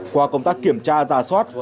qua công tác kiểm tra ra soát